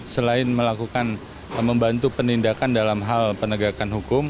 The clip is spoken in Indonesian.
selain melakukan membantu penindakan dalam hal penegakan hukum